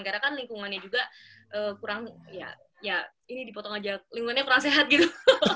karena kan lingkungannya juga kurang ya ini dipotong aja lingkungannya kurang sehat gitu